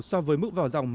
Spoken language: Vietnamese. so với mức vào dòng